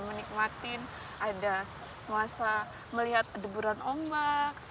menikmatin ada masa melihat deburan ombak